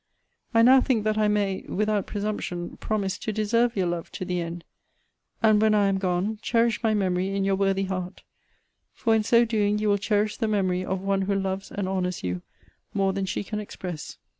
I now think that I may, without presumption, promise to deserve your love to the end. And, when I am gone, cherish my memory in your worthy heart; for in so doing you will cherish the memory of one who loves and honours you more than she can express.